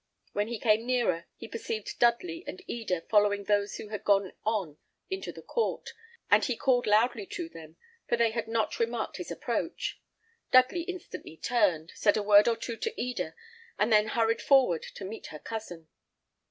When he came nearer, he perceived Dudley and Eda following those who had gone on into the court; and he called loudly to them, for they had not remarked his approach. Dudley instantly turned, said a word or two to Eda, and then hurried forward to meet her cousin.